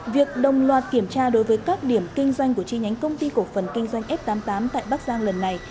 việc đồng loạt kiểm tra đối với các điểm kinh doanh của chi nhánh công ty cổ phần kinh doanh f tám mươi tám tại bắc giang lần này